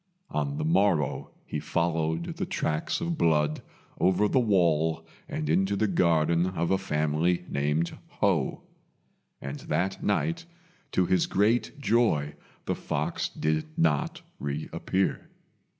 On the morrow he followed the tracks of blood over the wall and into the garden of a family named Ho; and that night, to his great joy, the fox did not reappear.